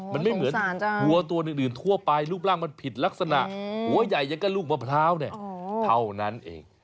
มันไม่เหมือนวัวตัวอื่นทั่วไปรูปร่างมันผิดลักษณะหัวใหญ่อย่างก็ลูกมะพร้าวเนี่ยเท่านั้นเอง